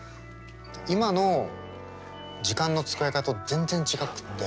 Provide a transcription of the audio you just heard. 今の時間の使い方と全然違くって。